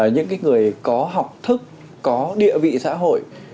những người có học thức có địa vị xã hội